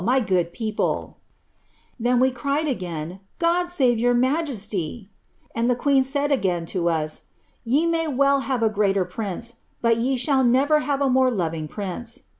ntr pN people "" Then we cried again, * God Mve your ntsjeEty !' And ihe qopi aaid agaia to us, ' Ye may well have a greater prince, but ye ehaU ne* have a more loving prince.'